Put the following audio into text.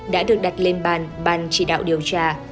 đã được đặt lên bàn bàn chỉ đạo điều tra